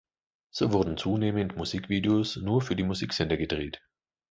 So wurden zunehmend Musikvideos nur für die Musiksender gedreht.